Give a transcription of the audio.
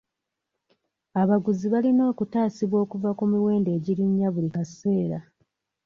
Abaguzi balina okutaasibwa okuva ku miwendo egirinnya buli kaseera.